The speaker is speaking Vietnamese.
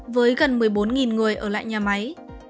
với gần một mươi bốn người ở lại nhà máy